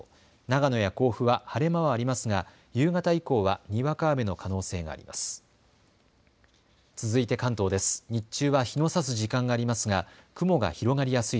長野や甲府は晴れ間はありますが夕方以降はにわか雨の可能性があります。